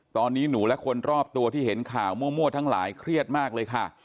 ตอนนี้หนูและคนรอบตัวที่เห็นข่าวมั่วทั้งหลายเครียดมากเลยค่ะ